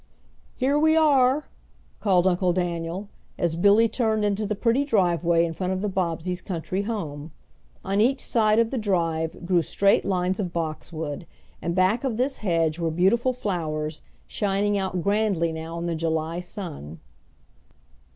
"Here we are," called Uncle Daniel as Billy turned into the pretty driveway in front of the Bobbseys' country home. On each side of the drive grew straight lines of boxwood, and back of this hedge were beautiful flowers, shining out grandly now in the July sun.